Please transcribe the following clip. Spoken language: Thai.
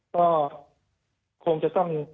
ก็คงจะต้อง